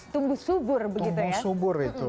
tungguh subur itu